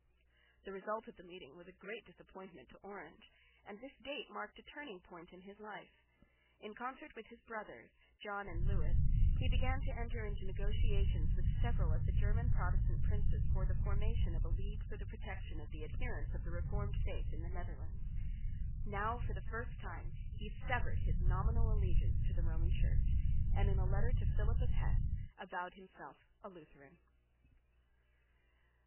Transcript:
The result of the meeting was a great disappointment to Orange, and this date marked a turning point in his life. In concert with his brothers, John and Lewis, he began to enter into negotiations with several of the German Protestant princes for the formation of a league for the protection of the adherents of the reformed faith in the Netherlands. Now for the first time he severed his nominal allegiance to the Roman Church, and in a letter to Philip of Hesse avowed himself a Lutheran.